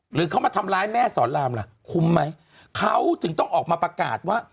หรือเขามาทำร้ายแม่สอนรามล่ะคุ้มไหมเขาถึงต้องออกมาประกาศว่า